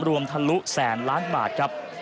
ทะลุแสนล้านบาทครับ